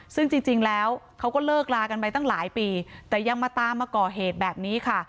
ซึ่งจริงแล้วเขาก็เลิกลากันไปตั้งหลายปีแต่ยังมาตามมาก่อเหตุแบบนี้ค่ะ